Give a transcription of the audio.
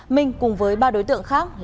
minh cùng với ba đối tượng khác